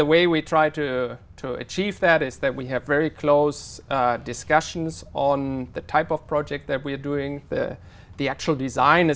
làm việc với chính phủ để cải thiện